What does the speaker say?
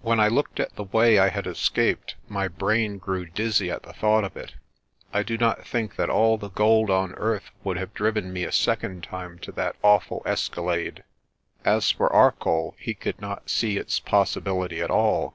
When I looked at the way I had escaped my brain grew dizzy at the thought of it. I do not think that all the gold on earth would have driven me a second time to that awful escalade. As for Arcoll, he could not see its possi bility at all.